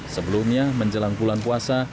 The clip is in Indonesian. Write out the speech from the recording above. sebelumnya menjelang bulan puasa